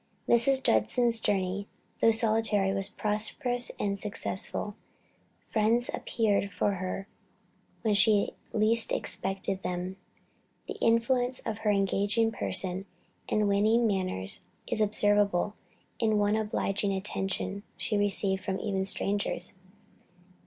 Mrs. Judson's journey, though solitary, was prosperous and successful. Friends appeared for her where she least expected them. The influence of her engaging person and winning manners is observable in one obliging attention she received even from strangers.